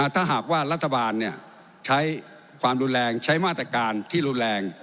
ถ้าหากว่ารัฐบาลใช้ความรุนแรงใช้มาตรการที่รุนแรง